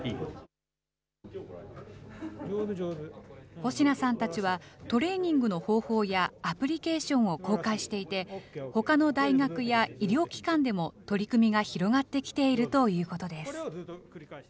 保科さんたちは、トレーニングの方法やアプリケーションを公開していて、ほかの大学や医療機関でも取り組みが広がってきているということです。